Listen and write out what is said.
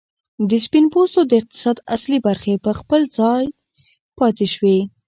د سپین پوستو د اقتصاد اصلي برخې پر خپل ځای پاتې شوې.